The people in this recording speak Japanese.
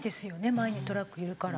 前にトラックいるから。